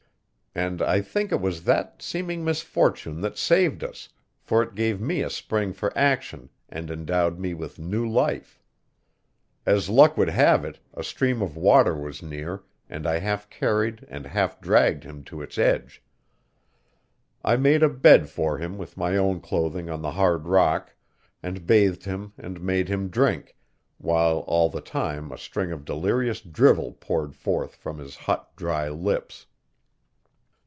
And I think it was that seeming misfortune that saved us, for it gave me a spring for action and endowed me with new life. As luck would have it, a stream of water was near, and I half carried and half dragged him to its edge. I made a bed for him with my own clothing on the hard rock, and bathed him and made him drink, while all the time a string of delirious drivel poured forth from his hot, dry lips.